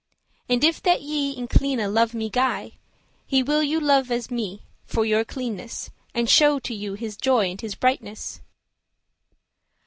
And if that ye in cleane love me gie,"* *guide He will you love as me, for your cleanness, And shew to you his joy and his brightness."